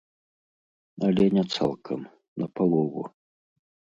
Але не цалкам, на палову.